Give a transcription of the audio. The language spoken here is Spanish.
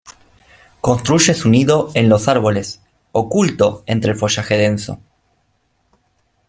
Construye su nido en los árboles, oculto entre el follaje denso.